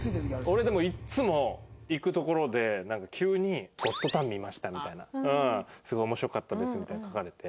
俺でもいつも行く所でなんか急に「『ゴッドタン』見ました」みたいな。「すごい面白かったです」みたいな書かれて。